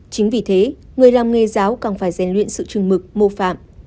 chính vì thế người làm nghề giáo càng phải rèn luyện sự trừng mực mô phạm